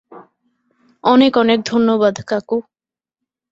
অনেক-অনেক ধন্যবাদ, কাকু।